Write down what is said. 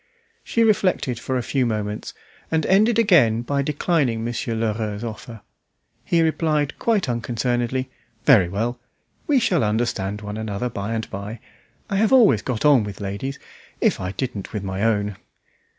She reflected for a few moments, and ended by again declining Monsieur Lheureux's offer. He replied quite unconcernedly "Very well. We shall understand one another by and by. I have always got on with ladies if I didn't with my own!"